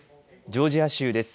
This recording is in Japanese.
ジョージア州です。